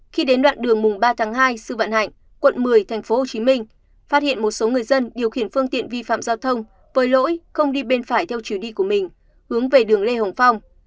khi đến đoạn đường mùng ba tháng hai sư vạn hạnh quận một mươi tp hcm phát hiện một số người dân điều khiển phương tiện vi phạm giao thông với lỗi không đi bên phải theo chiều đi của mình hướng về đường lê hồng phong